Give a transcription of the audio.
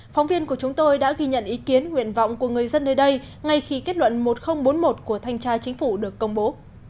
phóng viên của chúng tôi đã ghi nhận ý kiến nguyện vọng của người dân nơi đây ngay khi kết luận một nghìn bốn mươi một của thanh tra chính phủ được công bố